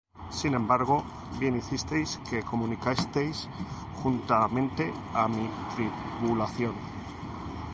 Sin embargo, bien hicisteis que comunicasteis juntamente á mi tribulación.